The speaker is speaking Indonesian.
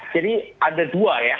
jadi ada dua ya